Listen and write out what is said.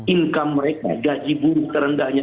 income mereka gaji buruh terendahnya